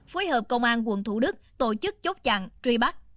phối hợp công an quận thủ đức tổ chức chốt chặn truy bắt